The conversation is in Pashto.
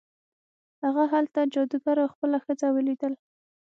هغه هلته جادوګر او خپله ښځه ولیدل.